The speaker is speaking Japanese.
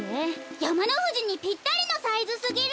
やまのふじにぴったりのサイズすぎる！